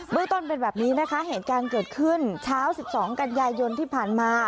เรื่องต้นเป็นแบบนี้นะคะเหตุการณ์เกิดขึ้นเช้า๑๒กันยายนที่ผ่านมา